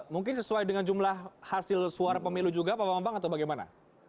mungkin sesuai dengan jumlah hasil suara pemilu juga pak bambang atau bagaimana